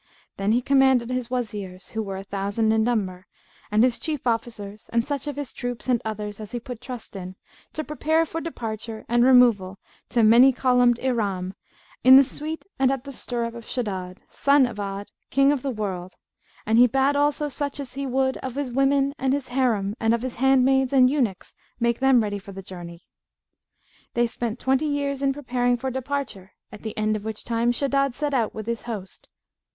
Then he commanded his Wazirs, who were a thousand in number, and his Chief Officers and such of his troops and others as he put trust in, to prepare for departure and removal to Many columned Iram, in the suite and at the stirrup of Shaddad, son of Ad, King of the World; and he bade also such as he would of his women and his Harim and of his handmaids and eunuchs make them ready for the journey. They spent twenty years in preparing for departure, at the end of which time Shaddad set out with his host.